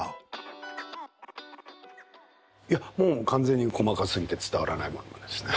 いやもう完全に「細かすぎて伝わらないモノマネ」ですね。